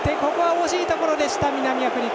惜しいところでした、南アフリカ。